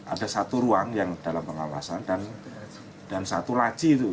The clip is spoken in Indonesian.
ada satu ruang yang dalam pengawasan dan satu laci itu